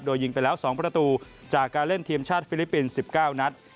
โดยยิงไปแล้ว๒ประตูจากการเล่นทีมชาติฟิลิปปินส์๑๙นัด